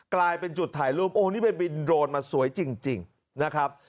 กลายเป็นจุดถ่ายรูปโอ้นี่ไปบินโดรนมาสวยจริงนะครับ